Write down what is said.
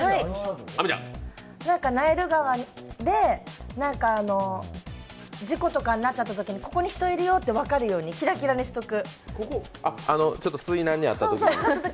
ナイル川で事故とかになっちゃったときに、ここに人いるよって分かるようにキラキラにしとく。